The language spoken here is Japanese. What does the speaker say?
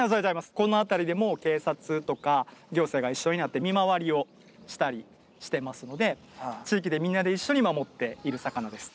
この辺りでも警察とか行政が一緒になって見回りをしたりしてますので地域でみんなで一緒に守っている魚です。